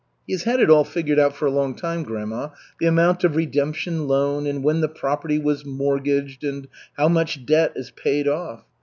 He has had it all figured out for a long time, grandma: the amount of redemption loan, and when the property was mortgaged, and how much debt is paid off.